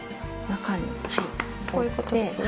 こういうことですね。